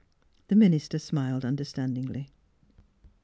The minister smiled, understandingly.